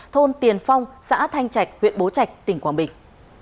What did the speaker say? thôn tiền phong xã thanh trạch huyện bố trạch tỉnh quảng bình